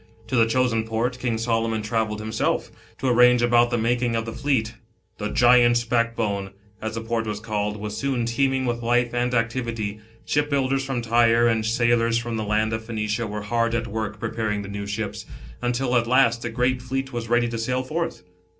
To the chosen port, King Solomon travelled himself, to arrange about the making of the fleet. "The Giant's Backbone," as the port was called, was soon teeming with life and activity, shipbuilders from Tyre, ' and sailors from the land of Phoenicia, :/ere hard at preparing the new ships, until at last the, fleet was ready to sail forth.